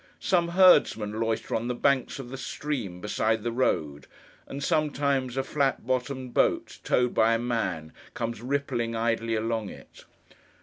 Some herdsmen loiter on the banks of the stream beside the road, and sometimes a flat bottomed boat, towed by a man, comes rippling idly along it.